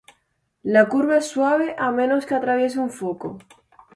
La curva es suave a menos que atraviese un foco.